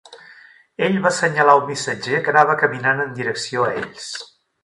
Ell va assenyalar un missatger que anava caminant en direcció a ells.